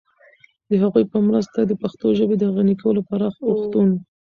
د هغوی په مرسته د پښتو ژبې د غني کولو پراخ اوښتون